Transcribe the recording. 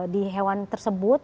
di hewan tersebut